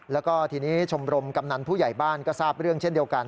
แล้วก็ทีนี้ชมรมกำนันผู้ใหญ่บ้านก็ทราบเรื่องเช่นเดียวกัน